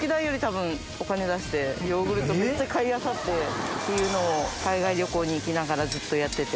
めっちゃ買いあさってっていうのを海外旅行に行きながらずっとやってて。